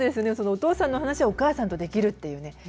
お父さんの話をお母さんとできるっていうね。